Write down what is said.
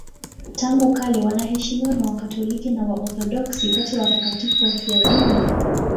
Tangu kale wanaheshimiwa na Wakatoliki na Waorthodoksi kati ya watakatifu wafiadini.